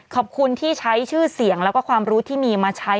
ขอบคุณที่ใช้ชื่อเสียงแล้วก็ความรู้ที่มีมาใช้